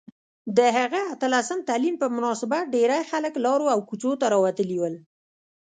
د هغه اتلسم تلین په مناسبت ډیرۍ خلک لارو او کوڅو ته راوتلي ول